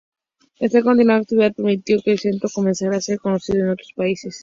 Esta continuada actividad permitió que el Centro comenzara a ser conocido en otros países.